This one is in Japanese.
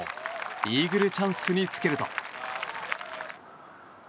イーグルチャンスにつけると。